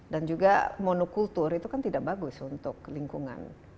dan juga monokultur itu kan tidak bagus untuk lingkungan